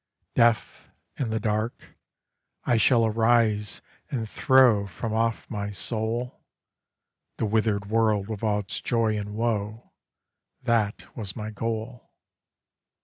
Deaf, in the dark, I shall arise and throw From off my soul, The withered world with all its joy and woe, That was my goal.